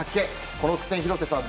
この苦戦廣瀬さん